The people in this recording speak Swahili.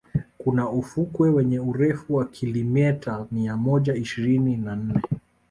kuna ufukwe wenye urefu wa kilimeta mia moja ishirini na nne